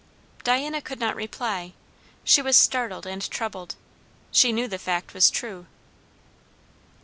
Diana could not reply. She was startled and troubled. She knew the fact was true.